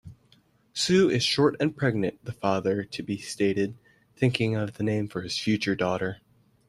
"Sue is short and pregnant", the father-to-be stated, thinking of a name for his future daughter.